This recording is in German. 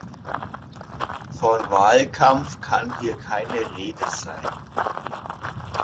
Von Wahlkampf kann hier keine Rede sein.